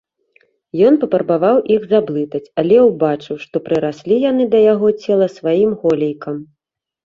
Ён папрабаваў іх заблытаць, але ўбачыў, што прыраслі яны да яго цела сваім голлейкам.